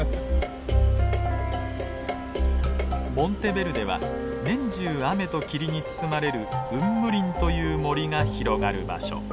モンテベルデは年中雨と霧に包まれる雲霧林という森が広がる場所。